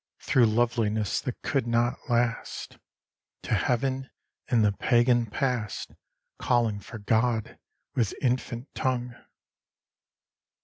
Through loveliness that could not last, To Heaven in the pagan past, Calling for God with infant tongue!